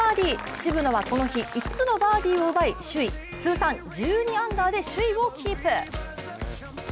渋野はこの日、５つのバーディーを奪い通算１２アンダーで首位をキープ。